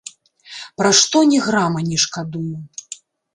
Пра што ні грама не шкадую.